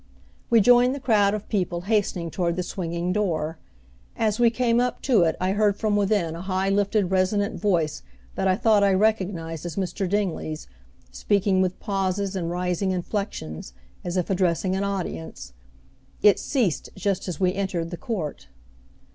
We joined the crowd of people hastening toward the swinging door. As we came up to it I heard from within a high lifted resonant voice that I thought I recognized as Mr. Dingley's speaking with pauses and rising inflections, as if addressing an audience. It ceased just as we entered the court.